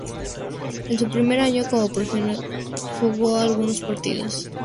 En su primer año como profesional, jugó algunos partidos.